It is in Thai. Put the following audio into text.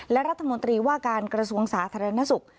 และรัฐมนตรีว่าการกระทรวงสาธารณสุข